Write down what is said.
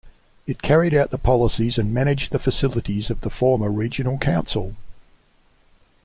It carried out the policies and managed the facilities of the former Regional Council.